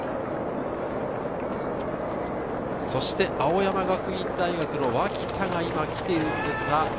そして青山学院大学の脇田が来ています。